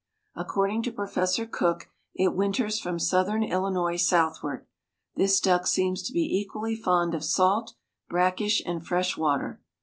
According to Professor Cook it winters from southern Illinois southward. This duck seems to be equally fond of salt, brackish, and fresh water.